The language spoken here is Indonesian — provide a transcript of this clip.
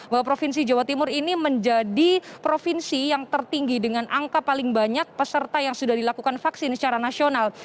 bahwa provinsi jawa timur ini menjadi provinsi yang tertinggi dengan angka paling banyak peserta yang sudah dilakukan vaksin secara nasional